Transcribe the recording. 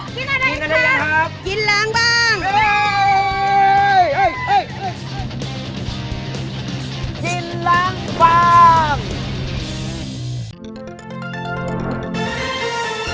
โปรดติดตามตอนต่อไป